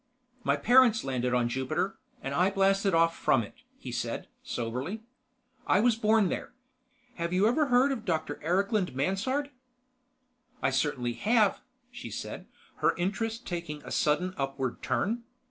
"My parents landed on Jupiter, and I blasted off from it," he said soberly. "I was born there. Have you ever heard of Dr. Eriklund Mansard?" "I certainly have," she said, her interest taking a sudden upward turn.